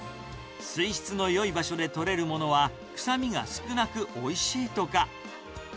水質のよい場所で取れるものは臭みが少なくおいしいとか。